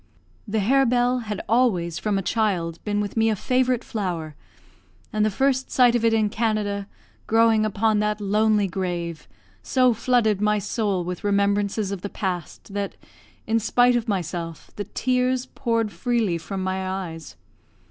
The harebell had always from a child been with me a favourite flower; and the first sight of it in Canada, growing upon that lonely grave, so flooded my soul with remembrances of the past, that, in spite of myself, the tears poured freely from my eyes.